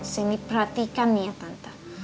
sini perhatikan nih ya tante